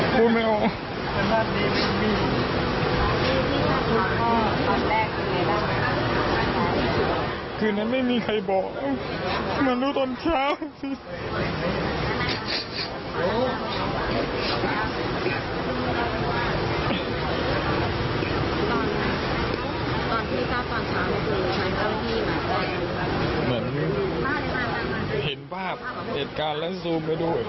เห็นภาพเห็นภาพเหตุการณ์แล้วซูมไปดู